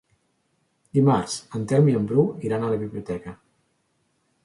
Dimarts en Telm i en Bru iran a la biblioteca.